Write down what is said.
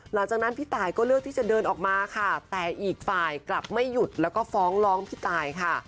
หลังจากนั้นพี่ตายก็เลือกที่จะเดินออกมาค่ะแต่อีกฝ่ายกลับไม่หยุดแล้วก็ฟ้องร้องพี่ตายค่ะ